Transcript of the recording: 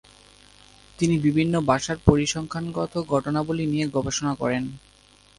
তিনি বিভিন্ন ভাষার পরিসংখ্যানগত ঘটনাবলী নিয়ে গবেষণা করেন।